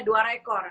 ada dua rekor